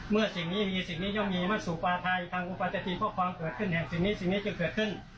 สิ่งนี้มีสิ่งนี้ย่อมมีมาสู่ปลาไทยทางอุปาจาทีข้อความเกิดขึ้นแห่งสิ่งนี้สิ่งนี้จะเกิดขึ้น